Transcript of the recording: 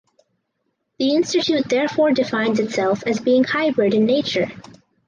The institute therefore defines itself as being hybrid in nature.